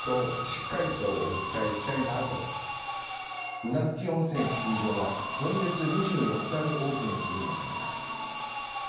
宇奈月温泉スキー場は今月２４日にオープンする予定です。